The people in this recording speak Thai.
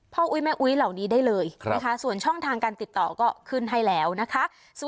อุ๊ยแม่อุ๊ยเหล่านี้ได้เลยนะคะส่วนช่องทางการติดต่อก็ขึ้นให้แล้วนะคะ